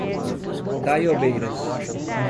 Taiobeiras